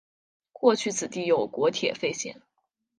过去此地有国铁废线。